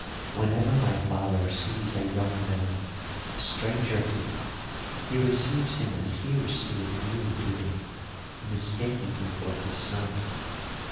Whenever my father sees a young man, a stranger to him, he receives him as he received you to day, mistaking him for his son.